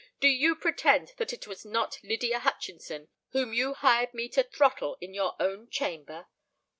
Do you pretend that it was not Lydia Hutchinson whom you hired me to throttle in your own chamber?"